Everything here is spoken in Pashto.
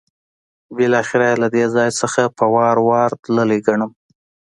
بالاخره یې له دې ځای څخه په وار وار تللی ګڼم.